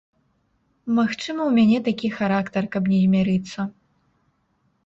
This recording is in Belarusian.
Магчыма, у мяне такі характар, каб не змірыцца.